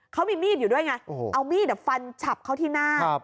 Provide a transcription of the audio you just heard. เขามีมีดอยู่ด้วยไงเอามีดฟันฉับเขาที่หน้า